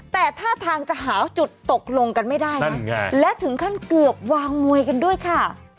แต่ท่าทางจะหาจุดตกลงกันไม่ได้นะและถึงขั้นเกือบวางมวยกันด้วยค่ะ